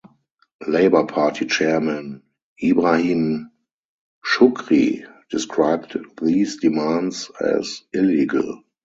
Labor Party chairman Ibrahim Shoukry described these demands as illegal.